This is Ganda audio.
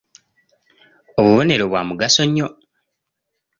Obubonero bwa mugaso nnyo.